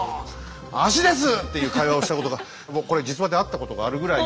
「足です！」っていう会話をしたことがもうこれ実話であったことがあるぐらい。